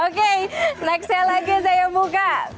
oke nextnya lagi saya buka